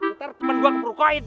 ntar temen gua ke purkoid deh